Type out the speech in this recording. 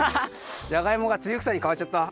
じゃがいもがつゆくさにかわっちゃった。